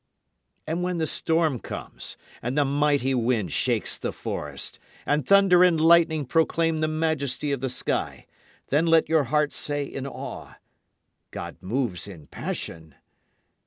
And when the storm comes, and the mighty wind shakes the forest, and thunder and lightning proclaim the majesty of the sky, then let your heart say in awe, "God moves in passion."